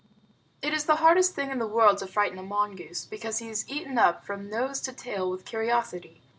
It is the hardest thing in the world to frighten a mongoose, because he is eaten up from nose to tail with curiosity.